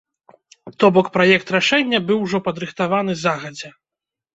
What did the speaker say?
То бок праект рашэння быў ужо падрыхтаваны загадзя.